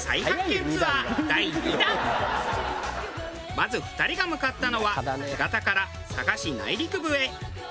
まず２人が向かったのは干潟から佐賀市内陸部へ。